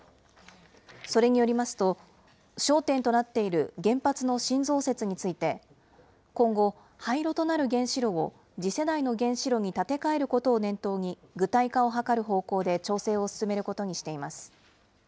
それによりますと、焦点となっている原発の新増設について、今後、廃炉となる原子炉を次世代の原子炉に建て替えることを念頭に、具体化を図る方向で調整を進めることにしています。